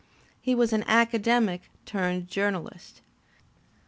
He was an academic turned journalist.